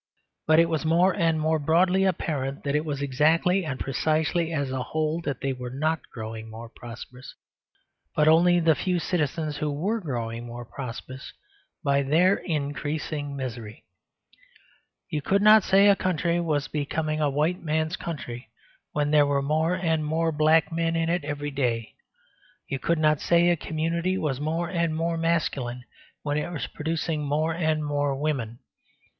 But it was more and more broadly apparent that it was exactly and precisely as a whole that they were not growing more prosperous, but only the few citizens who were growing more prosperous by their increasing misery. You could not say a country was becoming a white man's country when there were more and more black men in it every day. You could not say a community was more and more masculine when it was producing more and more women.